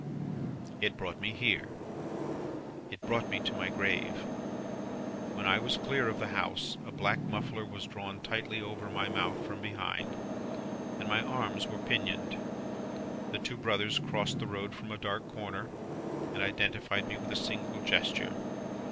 "It brought me here, it brought me to my grave. When I was clear of the house, a black muffler was drawn tightly over my mouth from behind, and my arms were pinioned. The two brothers crossed the road from a dark corner, and identified me with a single gesture.